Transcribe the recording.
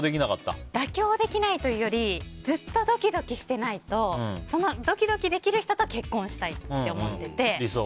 妥協できないというよりずっとドキドキしていないとドキドキできる人と結婚したいと思ってて。